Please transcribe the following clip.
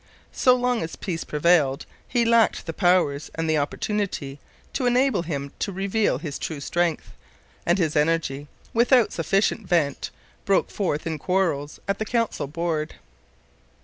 So long as peace prevailed he lacked the powers and the opportunity to enable him to reveal his true strength; and his energy, without sufficient vent, broke forth in quarrels at the council board.